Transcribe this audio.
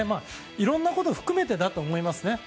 いろんなことを含めてだと思いますね。